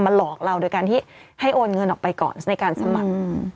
หลอกเราโดยการที่ให้โอนเงินออกไปก่อนในการสมัคร